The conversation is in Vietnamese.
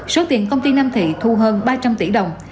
số tiền công ty nam thị thu hơn ba trăm linh tỷ đồng